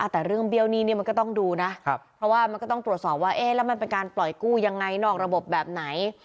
แต่เรื่องเบี้ยวหนี้เนี่ยมันก็ต้องดูนะเพราะว่ามันก็ต้องตรวจสอบว่าเอ๊ะแล้วมันเป็นการปล่อยกู้ยังไงนอกระบบแบบไหน